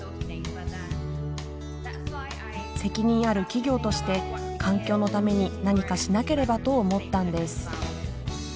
責任ある企業として環境のために何かしなければと思ったんです。